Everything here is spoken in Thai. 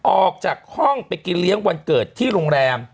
ออกจากห้องไปกินเลี้ยงวันเกิดที่โรงแรม